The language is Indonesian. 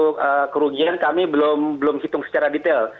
untuk kerugian kami belum hitung secara detail